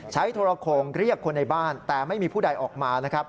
ใช้โทรโคนเรียกคนในบ้านแต่ไม่มีผู้ใดออกมา